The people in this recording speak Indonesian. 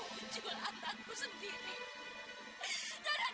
aku sudah bilang pecah tapi janganlah kau mencimalah dia